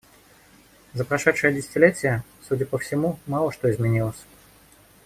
За прошедшее десятилетие, судя по всему, мало что изменилось.